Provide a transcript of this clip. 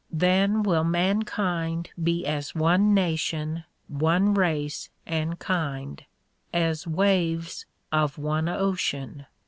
Then will mankind be as one nation, one race and kind; as waves of one ocean.